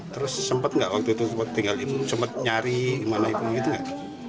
terus sempat gak waktu itu tinggal ibu sempat nyari gimana ibu gitu gak